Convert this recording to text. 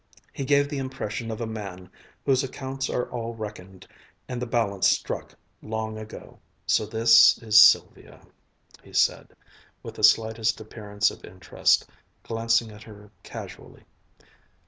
He gave the impression of a man whose accounts are all reckoned and the balance struck, long ago. "So this is Sylvia," he said, with the slightest appearance of interest, glancing at her casually.